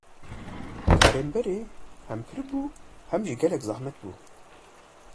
Karên berê hêm pir bû hêm jî gelek bi zehmet bû.